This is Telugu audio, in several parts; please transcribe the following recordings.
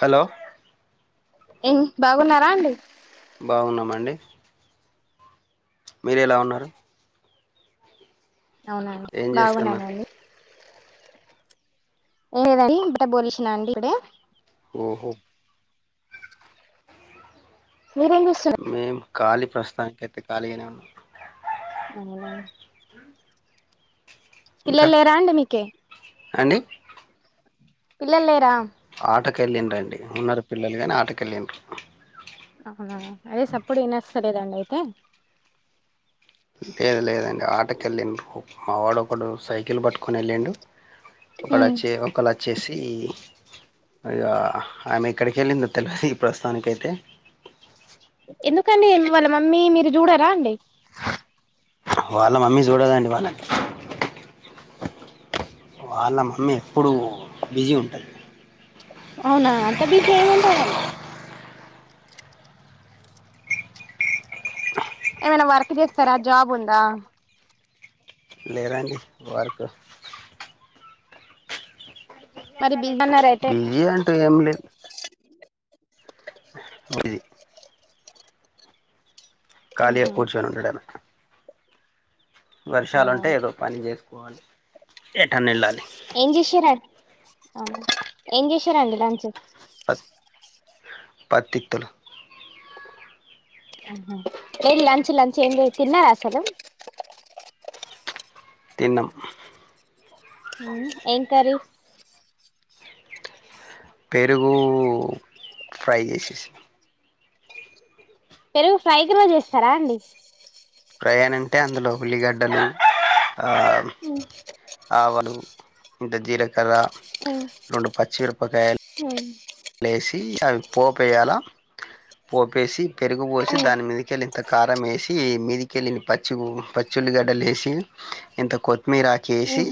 హలో! ఎన్ బాగున్నారా అండి. బాగున్నమండి. మీరెలా ఉన్నారు? అవునా అండి ఏం చేస్తున్నారు బాగున్నానండి. ఏం లేదండి ఇప్పుడే బోలిషిన అండి ఇప్పుడే ఓహో మీరేం చేస్తున్న కాలి ప్రస్తుతానికైతే ఖాళీగనే ఉన్నా నమ్మలేం ఇంకా పిల్లల్ లేరా అండి మీకే అండి పిల్లల్ లేరా కెళ్ళింరండి ఉన్నరు పిల్లలు గని ఆటకెళ్ళింరు. తే లేద్ లేదండి ఆటకెళ్ళింరు. మా వాడ్ ఒకడు సైకిల్ పట్టుకొని ఎళ్ళిండు. ఒకడ్ ఉమ్ అచ్చి ఒకల్ అచ్చేసీ ఆమె ఎక్కడికెళ్ళిందో తెల్వది ప్రస్తుతానికైతే ఎందుకండి వాళ్ళ మమ్మీ మీరు చూడరా అండి. వాళ్ళ మమ్మీ జూడదండి వాళ్ళన్ వాళ్ళ మమ్మీ ఎప్పుడూ బిజీ ఉంటది. అవునా అంత బీసీ ఏముంటదన్ ఏమన్న వర్క్ చేస్తారా జాబ్ ఉందా? లేరండి వర్క్ మరి బీసీ అన్నర్ అయితే బిజీ అంటూ మది కాలీ ఉహు కూర్చుని ఉండడమే వర్షాలు అవునా ఉంటే ఏదో పని చేసుకోవాలి ఎటని వెళ్ళాలి. ఏం చేసార ఏం చేసారాండి లంచ్? పత్తిత్తులు ఆ ఏం లంచ్ లంచ్ ఏమి తిన్నారా అసలు? తిన్నం హ ఏం కరీ? పెరుగు, ఫ్రై చేసేసిన పెరుగు ఫ్రైకి రోజ్ చేస్తారా అండి? ప్రయాణ అంటే అందులో ఉల్లిగడ్డలు ఆ ఉ ఆవును ఇంత జీలకర్ర రెండు పచ్చిమిరపకాయలు అవును లేసి చాన్ పోపేయాల పోపేసి పెరుగుపోసి దాని మీదికెళ్లి ఇంత కారం వేసి మిదికెళ్లిని పచ్చి ఓ పచ్చి చున్నిగడ్డలు వేసి ఇంత కొత్తిమీర ఆక ఏసి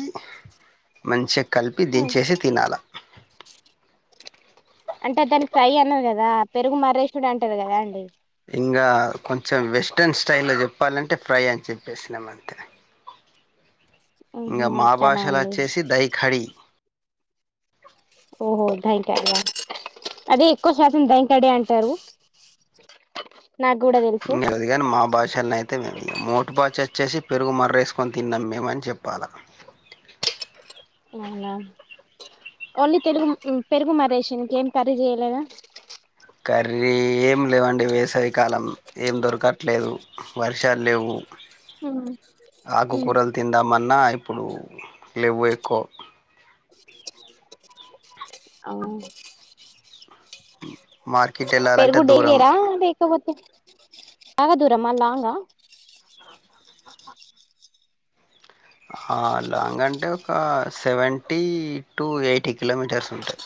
మంచిగా కలిపి దించేసి తినాలి. అంటే దానికి ఫ్రై అన్నది కదా పెరుగు మర్రేసిడు అంటారు కదా అండి. ఇంగా కొంచెం వెస్ట్రన్ స్టైల్లో లో చెప్పాలంటే ఫ్రై అని చెప్పేసినామ అంతే. ఇంగా మా అట్లానా భాషలు అండి వచ్చేసి దైఖడి ఓహో టై కాడ అదే ఎక్కువ శాతం టై కాడే అంటారు. నాకు కూడా తెలుసు నిదిగారు మా భాష ల్లే మొత్తమేది మోటు బాచ వచ్చేసి పెరుగు మర్రేసుకొని తిన్నాం మేమని చెప్పాల. అవునా ఓన్లీ తెరుగు పెరుగు మరేషి కేం కర్రీ చేయలేదా? కర్రీ ఏం లేవండి వేసవి కాలం ఏం దొరకట్లేదు, వర్షాలు లేవు. ఆ ఆకుకూరలు తిందామన్నా ఇప్పుడు లెవ్వు ఎక్కువ. అవ్ మార్ పెరుగుడ్ డైవేరా లేకపో ఆ దూరమా లాంగ హ లాంగ్ అంటే ఒక సెవెంటీ టు ఎయిటీ కిలోమీటర్స్ ఉంటాయి.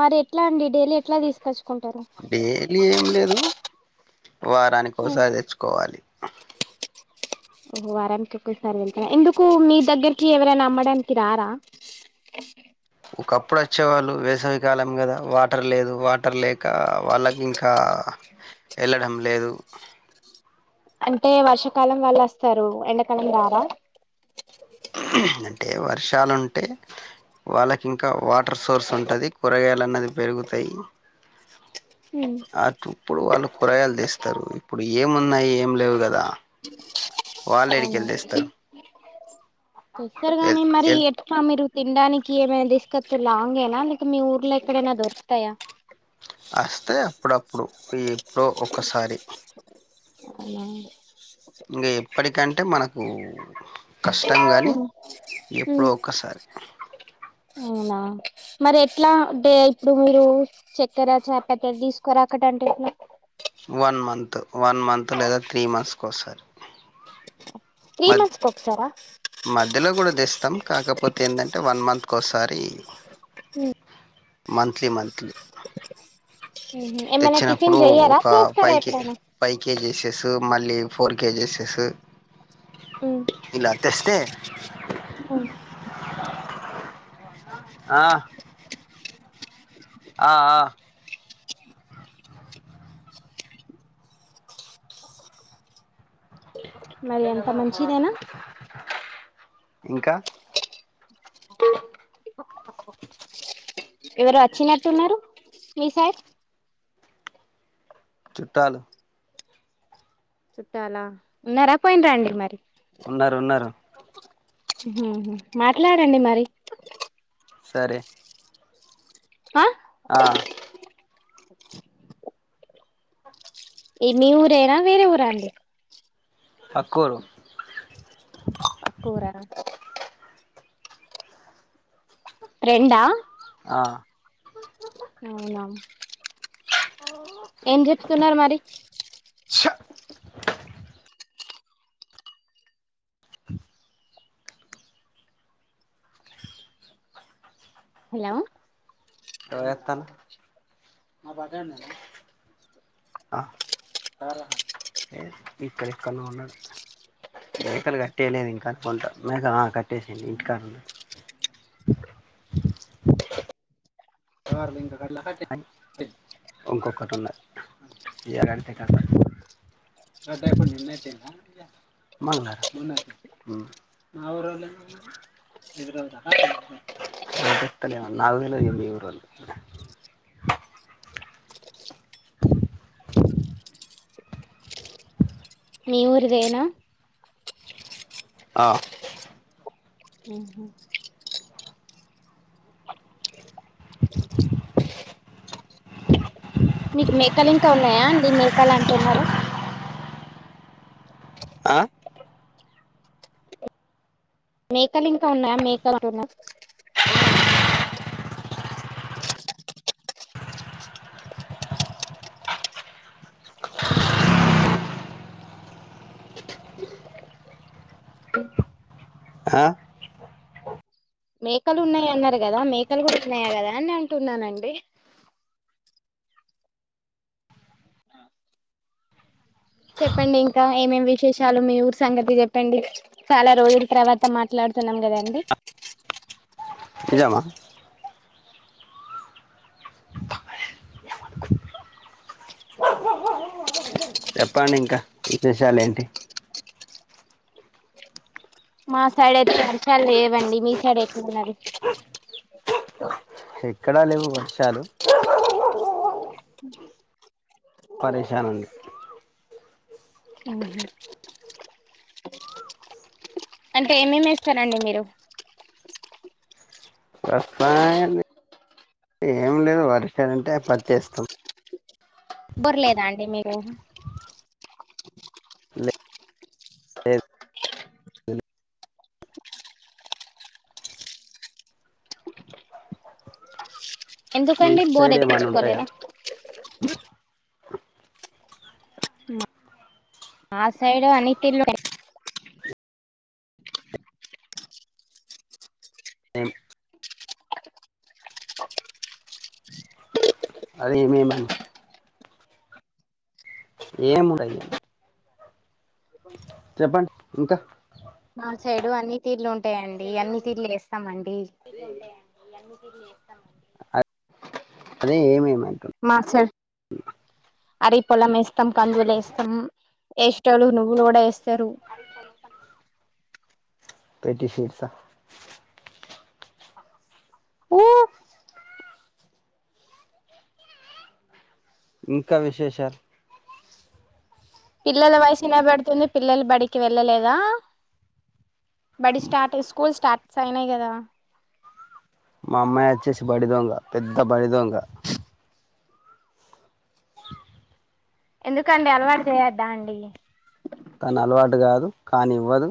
మరి ఎట్లా అండి డైలీ ఎట్లా తీసుకొచ్చు డైలీ ఏం లేదు వారానికి ఓసారి ఏచ్చుకోవాలి. వారానికి ఒక్కసారి వెల్తార ఎందుకు మీ దగ్గరకి ఎవరైనా అమ్మడానికి రారా? అ సరే ఒకప్పుడు వచ్చేవాళ్ళు వేసవికాలం గదా వాటర్ లేదు వాటర్ లేక వాళ్ళకి ఇంకా వెళ్ళడం లేదు అంటే వర్షాకాలం వాళ్ళ వస్తారు. ఎండాకాలం రరా అంటే వర్షాలుంటే వాళ్ళకి ఇంకా వాటర్ సోర్స్ ఉంటుంది కూరగాయలు అన్నది పెరుగుతాయి అ ఇప్పుడు వాళ్ళు కూరగాయలు తీస్తారు ఇప్పుడు ఏమున్నాయి ఏం లేవు కదా వాళ్ళ యాడికి వెళ్లి తెస్తారు చేస్తారు గాని ఎల్ మరి ఎల్ ఎట్ మీరు తినడానికి ఏమైనా తీసుకొచ్చ లాంగేనా లేక మీ ఊర్లో ఎక్కడైనా దొరుకుతాయా వస్తే అప్పుడప్పుడు ఎప్పుడో ఒకసారి అవు ఇంకా ఎప్పటికంటే మనకు కష్టం కానీ ఎప్పుడో ఒక్కసారి అవునా మరి ఎట్లాంటే ఇప్పుడు మీరు చక్కెర చాపత్త తీసుకోరా అక్కడ తాటే వన్ మంత్ వన్ మంత్ లేదా త్రీ మంత్స్ కి ఒకసారి త్రీ మ మంత్స్ కి ఒకసారా మధ్యలో కూడా తెస్తాం కాకపోతే ఏంటంటే వన్ మంత్ కోసారి మంత్లీ మంత్లీ ఏమైనా టిఫిన్ తెచ్చినప్పుడు చెయ్యారా ఒక చేస్తారా పైక ఎప్పుడైనా పై కేజీసే సిక్స మళ్ళీ ఫోర్ కిగిస్ ఇలా తెస్తే ఓ ఆ ఆ ఆ మరి అంత ఎలాల మంచిదేనా ఇంకా ఎవరు వచ్చినట్టున్నారు మీ సైడ్ చుట్టాలు చుట్టాలా ఉన్నారా పోయిన్ రండి మరి ఉన్నారు ఉన్నారు ఉహు మాట్లాడండి మరి సరే ఆ ఆ ఈ మీ ఊరేనా వేరే ఊర అండి పక్కూరు పక్కోరా రెండా ఆ అవునా ఏం చెప్తున్నారు మరి హ హలో ఏం చేస్తున్నావ్ ఆ ఈక్కడక్క ఉన్న మేకలు కట్టేయలేదు ఇంకా అనుకుంటా మేక కట్టేసేయండి ఇంటికా ఇంకొకటి ఉన్నాదీ [unintelligible] నాలుగు రోజులు స్తలే నా [unintelligible] నాలుగువేల ఇరవై మీ ఊరిదేనా. ఆహ్. ఆహ్. మీకు మేకలు ఇంకా ఉన్నాయా అండి మేకాలు అంటున్నారు. ఆహ్. మేకలు ఇంకా ఉన్నాయా మేకలు అంటున్నారు. ఆహ్. మేకలు ఉన్నాయన్నారు కదా మేకలు కూడా ఉన్నాయా కదా అని అంటున్నానండి. చెప్పండి ఇంకా ఏమేం విశేషాలు మీ ఊరు సంగతి చెప్పండి చాలా రోజుల తర్వాత మాట్లాడు. తున్నాం కదా అండి. నిజామా. చెప్పండి ఇంకా విశేషాలు ఏంటి. మా సైడ్ అయితే వర్షాలు లేవండి మీ సైడ్ ఎట్లున్నారు. ఎక్కడా లేవు వర్షాలు. ఛ్. పరేశానండి. అవునా. అంటే ఏమేం వేస్తారండి మీరు. వస్తాయి ఏం లేదు వరి చేను అంటే పత్తి వేస్తాం. బర్లేదా అండి మీరు. లేదు మీ ఎందుకండి బోర్ సైడ్ ఏమైనా ఉంటాయా. ఎప్పించుకోలేదా ఆహ్ మా సైడు అని తీర్ల ఉంట ఏం. అదిమేమని. ఏముంటాయి. చెప్పండి ఇంకా. మా సైడు అన్ని తీర్లు ఉంటాయండి అన్ని తీర్లు చేస్తామండి. అదే ఏమేమి. అంటున్నా మాస్లర్. అదే పొలం వేస్తాం కందులు వేస్తాం ఏష్టోలు నువ్వులు కూడా వేస్తారు. త్రేడ్డి సీట్సా. ఉమ్ ఉమ్. ఇంకా విశేషాలు. పిల్లల వాయిసు వినపడుతుంది పిల్లలు బడికి వెళ్ళలేదా. బడి స్టార్ట్ అయి స్కూల్ స్టార్ట్స్ అయినాయి కదా. మా అమ్మాయి వచ్చేసి బడి దొంగ పెద్ద బడి దొంగ. ఎందుకండి అలవాటు చేయొద్దా అండి. తను అలవాటు కాదు కానీవ్వదు.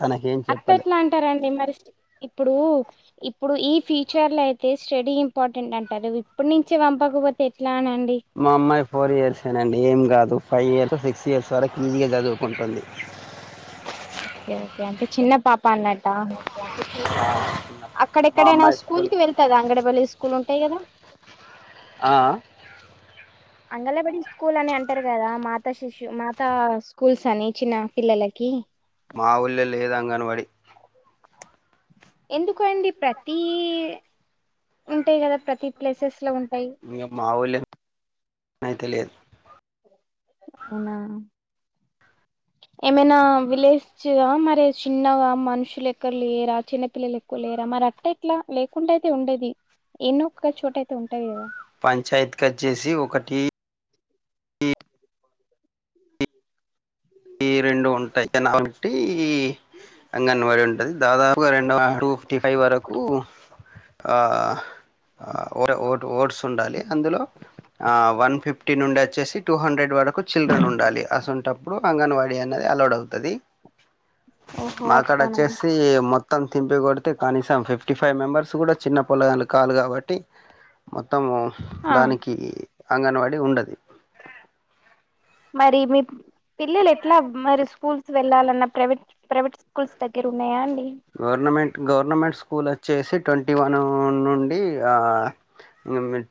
తనకేం అట్లే చెప్పలే ఎట్లా అంటారండి మరి. ఇప్పుడు ఇప్పుడు ఈ ఫ్యూచర్ లో అయితే స్టడీ ఇంపార్టెంట్ అంటారు ఇప్పుడు నుంచే పంపకపోతే ఎట్లా. మా అమ్మాయి ఫోర్ ఇయర్సేనండి ఏం కాదు. ఫైవ్ ఇయర్స్ సిక్స్ ఇయర్స్ వరకు ఈజీగ చదువుకుంటుంది ఓకే ఓకే అంటే చిన్న పాప అన్నట్ట ఇంకా అక్కడెక్కడైనా స్కూల్ కి వెళ్తదా అంగడి బడి స్కూల్ ఉంటాది కదా ఆ అ అంగళ్ళ బడి స్కూల్ అని అంటారు కదా మాతా శిషు మాత స్కూల్స్ స ని చిన్న పిల్లలకి మాఊళ్ళ లేదు అంగన్వాడి ఎందుకండి ప్రతి ఉంటాయి కదా ప్రతి ప్లేసెస్ లో ఉంటాయి కనుక తెలియదు అవునా ఏమైనా విలేజగా మరి చిన్నగా మనుషులు ఎక్కడ లేరా చిన్నపిిల్లలు ఎక్కువ లేరా మరి అట్ల ఎట్లా లేకుండా అయితే ఉండది ఎన్నోక్క చోట అయితే ఉంటాది కద పంచాయత్ కచ్చేసి ఒకటి టి ఈ రెండు ఉంటాయి ఒకటి అంగన్వాడిీ ఉంటది దాదాపుగా రెండవ టూ ఫిఫ్టీ ఫైవ్ వరకు ఆ అ ఒ ఓట్స్ ఉండాలి అందులో ఆ వన్ ఫిఫ్టీ నుండి వచ్చేసి టూ హండ్రెడ్ వరకు చిల్డ్రన్ ఉండాలి అసోంటప్పుడు అంగన్వాడీ అనేది అలౌడ్ అవుతది ఓహో మా అక్కడ అట్లానా వచ్చేసి మొత్ త్తం తింపి కొడితే కనీసం ఫిఫ్టీ ఫైవ్ మెంబర్స్ కూడా చిన్న పొళ్ళగండు కాదు కాబట్టి మొత్ మొత్తము ఆ దానికి అంగన్వాడీ ఉండది మరి మీ పిల్లలు ఎట్లా మరి స్కూల్ వెళ్లాలన్న ప్రైవేట్ ప్రైవేట్ స్కూల్స్ దగ్గర ఉన్నాయా అండి గవర్నమెంట్ గవర్నమెంట్ స్కూల్ వచ్చేసి ట్వంటీ వన్ నుండి అ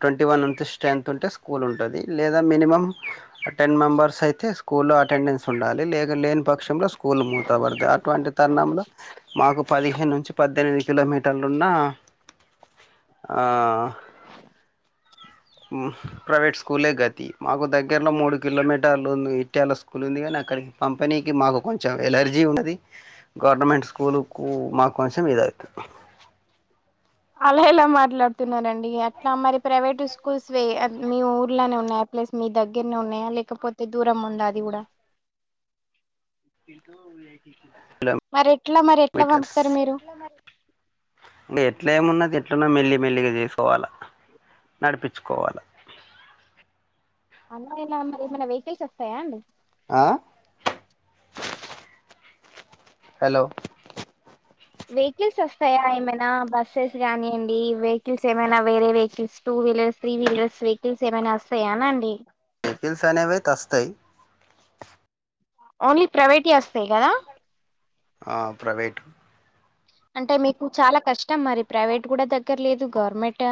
ట్వంటీ వన్ ఉంటే స్ట్రెంతత్ ఉంటే స్కూల్ ఉంటది లేదా మినిమం టెన్ మెంబర్స్ అయి తే స్కూల్లో అటెండెన్స్ ఉండాలి లేక లేని పక్షంలో స్కూల్ మూతబడుతయి అటువంటి తరుణంలో మాకు పదిహేను నుంచి పద్దెనిమిది కిలోమీటర్లున్న అ ప్రైవేట్ స్కూలే గతి మాకు దగ్గరలో మూడు కిలోమీటర్లు ఉంది ఇట్ట్యాల స్కూల్ ఉంది కానీ అక్కడికి కంపెనీకి మాకు కొంచెం ఎలర్జీ ఉన్నది గవర్నమెంట్ స్కూలుకు మాకు కొంచెమే అద్ [inaudible] అలా ఇలా మాట్లాడుతున్నారండి అట్లా మరి ప్రైవేటు స్కూల్స్ వే మీ ఊర్లనే ఉన్నాయ ప్లస్ మీ దగ్గర్నే ఉన్నాయా లేకపోతే దూరం ఉంద అది కూడా క మరి ఎట్లా మరి ఎట్లా మీటర్స్ పంపుతారు మీరు ఇట్లా ఏమున్నది ఎట్లనో మెల్లి మెల్లిగా చేసుకోవాల నడిపించుకోవాల అలా ఎలా మరి ఎమైనా వెహికిల్స్ వస్తాయా అండి ఆ హలో వెహికల్స్ వస్తాయా ఏమైనా బస్సెస్ కానీవ్వండి వెహికల్స్ ఏమైనా వేరే vehicles two wheelers three wheelers vehicles ఏమైనా వస్తాయాన అండి వెకిల్స్ అనేవైతే అస్తయి ఓన్లీ ప్రైవేట్ ఏ వస్తాయి కదా ఆ ప్రైవేట్ అంటే మీకు చాలా కష్టం మరి ప్రైవేట్ కూడా దగ్గర లేదు గవర్నమెంట్